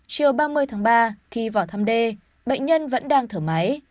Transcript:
chiều ba mươi tháng ba khi vào thăm d bệnh nhân vẫn đang thở máy